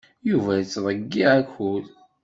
Yuba yettḍeyyiɛ akud.